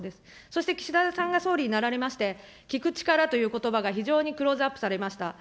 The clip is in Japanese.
そして岸田さんが総理になられまして、聞く力ということばが非常にクローズアップされました。